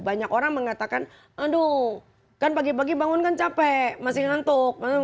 banyak orang mengatakan aduh kan pagi pagi bangun kan capek masih ngantuk